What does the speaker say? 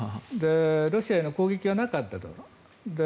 ロシアへの攻撃はなかったと。